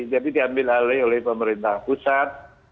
jadi diambil alih oleh pemerintah pusat